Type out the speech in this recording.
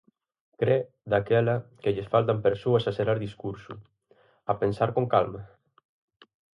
Cre, daquela, que lles faltan persoas a xerar discurso, a pensar con calma?